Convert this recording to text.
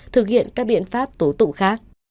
thực hiện các biện pháp tố tụ khác